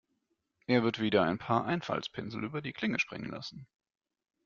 Er wird wieder ein paar Einfaltspinsel über die Klinge springen lassen.